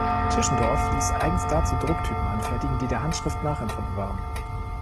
Tischendorf ließ eigens dazu Drucktypen anfertigen, die der Handschrift nachempfunden waren.